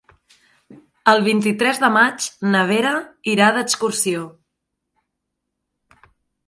El vint-i-tres de maig na Vera irà d'excursió.